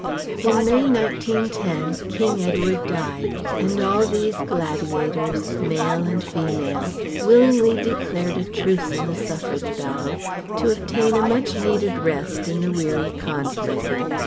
In May, 1910, King Edward died, and all these gladiators, male and female, willingly declared a Truce in the Suffrage battle, to obtain a much needed rest in the weary conflict.